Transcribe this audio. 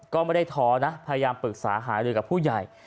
ก็ไม่ได้ท้อนะพยายามปรึกษาหารือกับผู้ใหญ่